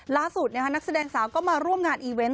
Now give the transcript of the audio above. นักแสดงสาวก็มาร่วมงานอีเวนต์